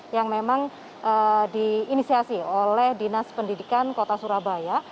yang memang diinisiasi oleh dinas pendidikan kota surabaya